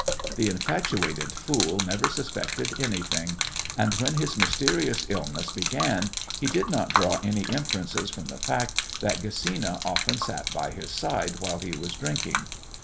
The infatuated fool never suspected anything, and when his mysterious illness began he did not draw any inferences from the fact that Gesina often sat by his side while he was drinking.